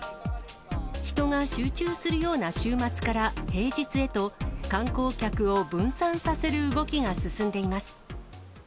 人が集中するような週末から平日へと、観光客を分散させる動きが進んでいます。